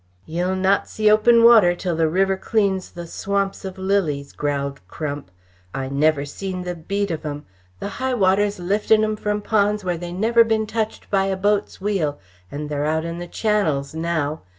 "Yeh'll not see open water till the river cleans the swamps of lilies," growled Crump. "I never seen the beat of 'em! The high water's liftin' 'em from ponds where they never been touched by a boat's wheel and they're out in the channels now.